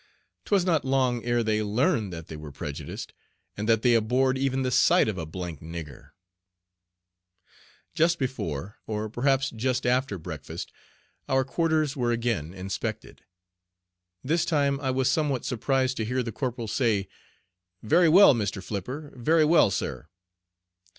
'Twas not long ere they learned that they were prejudiced, and that they abhorred even the sight of a "d d nigger." Just before, or perhaps just after breakfast, our quarters were again inspected. This time I was somewhat surprised to hear the corporal say, "Very well, Mr. Flipper, very well, sir."